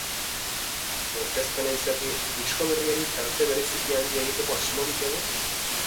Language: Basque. Aurkezpena izaki, disko berriari tarte bereziki handia egiteko asmorik-edo?